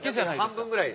半分ぐらい。